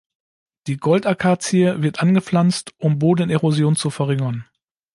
Die Gold-Akazie wird angepflanzt, um Bodenerosion zu verringern.